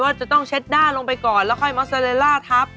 จะต้องเช็ดด้านลงไปก่อนแล้วค่อยมอสเตอเรลล่าทับ